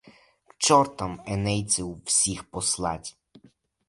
К чортам енейців всіх послать.